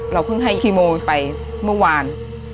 เพิ่งให้คีโมไปเมื่อวาน